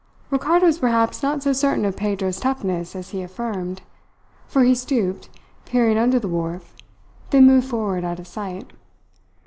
Ricardo was perhaps not so certain of Pedro's toughness as he affirmed; for he stooped, peering under the wharf, then moved forward out of sight.